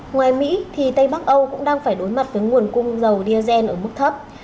ngoài mỹ thì tây bắc âu cũng đang phải đối mặt với nguồn cung dầu diesel ở mức thấp